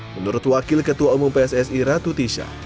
menurut wakil ketua umum pssi ratu tisha